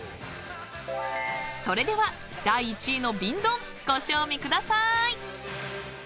［それでは第１位の瓶ドンご賞味くださーい！］